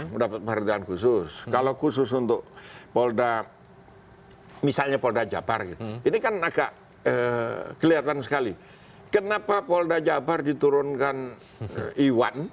mendapat perhatian khusus kalau khusus untuk polda misalnya polda jabar ini kan agak kelihatan sekali kenapa polda jabar diturunkan iwan